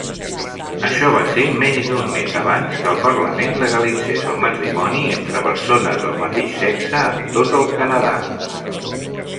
Això va ser menys d'un mes abans que el Parlament legalitzés el matrimoni entre persones del mateix sexe en tot el Canadà.